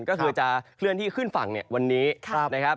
ก็คือจะเคลื่อนที่ขึ้นฝั่งวันนี้นะครับ